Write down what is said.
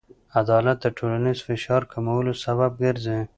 عدالت د ټولنیز فشار کمولو سبب ګرځي.